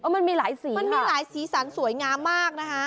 มันมีหลายสีมันมีหลายสีสันสวยงามมากนะคะ